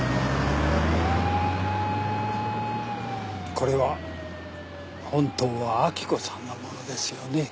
これは本当は明子さんの物ですよね。